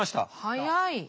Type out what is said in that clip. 早い。